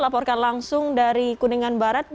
laporkan langsung dari kuningan barat